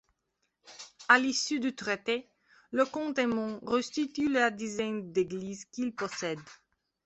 À l'issue du traité, le comte Aymon restitue la dizaine d'églises qu'il possède.